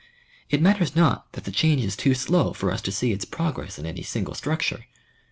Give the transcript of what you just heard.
It matters not that the change is too slow for us to see its progress in any single structure.